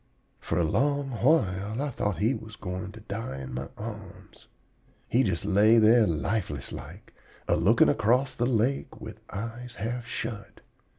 "For a long while I thought he was going to die in my arms. He just lay there lifeless like, a looking across the lake with eyes half shut.